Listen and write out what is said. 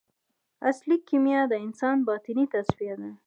اصلي کیمیا د انسان باطني تصفیه ده.